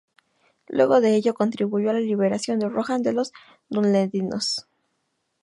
Luego de ello, contribuyó a la liberación de Rohan de los dunlendinos.